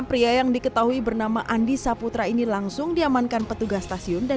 pria yang diketahui bernama andi saputra ini langsung diamankan petugas stasiun dan